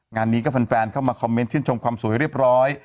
งานนี้ก็แฟนเข้ามาคอมเมนต์ชื่นชมความสวยเรียบร้อย